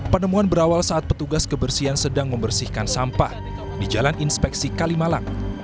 penemuan berawal saat petugas kebersihan sedang membersihkan sampah di jalan inspeksi kalimalang